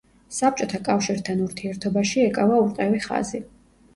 საბჭოთა კავშირთან ურთიერთობაში ეკავა ურყევი ხაზი.